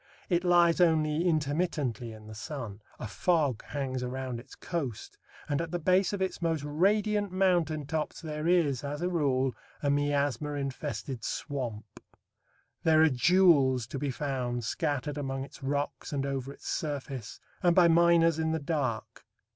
It lies only intermittently in the sun. A fog hangs around its coast, and at the base of its most radiant mountain tops there is, as a rule, a miasma infested swamp. There are jewels to be found scattered among its rocks and over its surface, and by miners in the dark.